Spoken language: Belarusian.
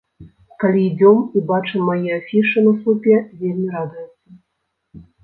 Калі ідзём і бачым мае афішы на слупе, вельмі радуецца.